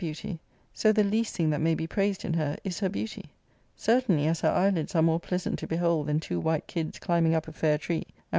/ beauty, so the least thing that may be praised in her is her 1 beauty. \ Certainly^ as her eye lids are more pleasant to behold than^ two white kids ciimbing_up a fair tree, and